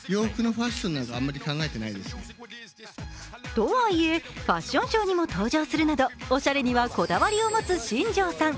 とはいえ、ファッションショーにも登場するなどおしゃれにはこだわりを持つ新庄さん。